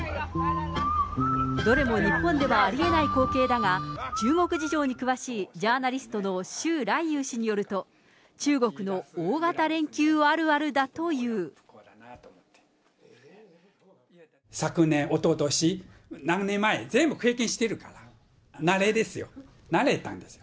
どれも日本ではありえない光景だが、中国事情に詳しいジャーナリストの周来友氏によると、中国の大型昨年、おととし、何年前、全部経験しているから、慣れですよ、慣れたんですよ。